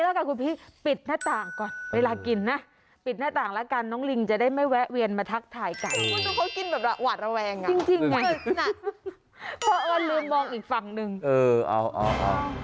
โอ้โหน่าเห็นใจพี่เขาจริงนะคุณ